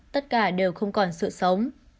tất cả đều không còn sự sống